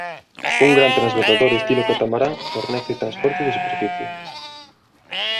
Un gran transbordador estilo catamarán fornece transporte de superficie.